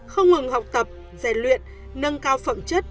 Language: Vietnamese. không ngừng học tập rèn luyện nâng cao phẩm chất